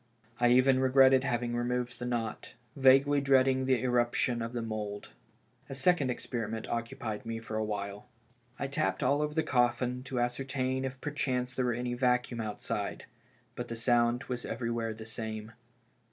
1 even regretted having removed the knot, vaguely dreading the irruption of tlie mould. A second experiment occu pied me for awhile. I tapped all over the coffin to ascer tain if perchance there were any vacuum outside. But the sound was everywhere the same.